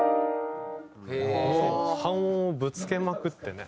半音をぶつけまくってね。